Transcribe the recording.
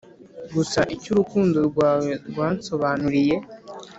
gusa icyo urukundo rwawe rwansobanuriye.